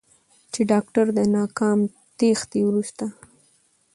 چې داکتر د ناکام تېښتې وروسته